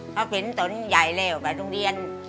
เค้าจริงต้นใหญ่เร็วไปโรงเรียน